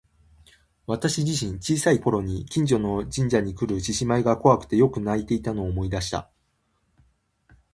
私自身、小さい頃に近所の神社にくる獅子舞が怖くてよく泣いていたのを思い出した。